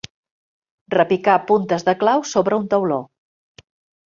Repicar puntes de clau sobre un tauló.